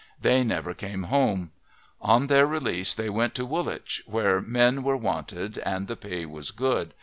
They never came home. On their release they went to Woolwich, where men were wanted and the pay was good.